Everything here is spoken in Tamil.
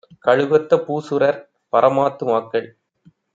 கழுகொத்த பூசுரர், பரமாத்து மாக்கள்